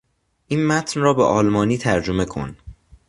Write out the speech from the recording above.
این متن را به آلمانی ترجمه کن.